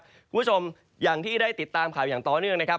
คุณผู้ชมอย่างที่ได้ติดตามข่าวอย่างต่อเนื่องนะครับ